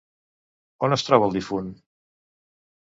On es troba el difunt?